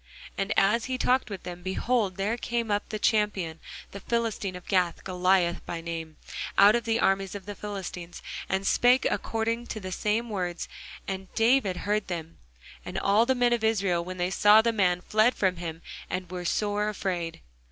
And as he talked with them, behold, there came up the champion, the Philistine of Gath, Goliath by name, out of the armies of the Philistines, and spake according to the same words: and David heard them. And all the men of Israel, when they saw the man, fled from him, and were sore afraid.